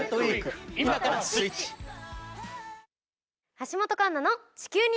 橋本環奈の。